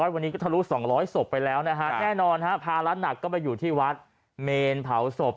วันนี้ก็ทะลุ๒๐๐ศพไปแล้วนะฮะแน่นอนภาระหนักก็ไปอยู่ที่วัดเมนเผาศพ